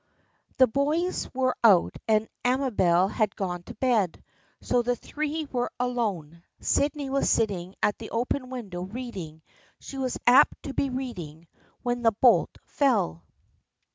The boys were out and Amabel had gone to bed, so the three were alone. Sydney was sitting at the open window reading — she was apt to be reading — when the bolt fell.